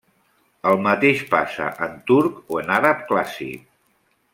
El mateix passa en turc o en àrab clàssic.